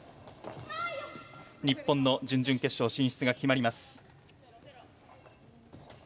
日本の準々決勝進出が決まります。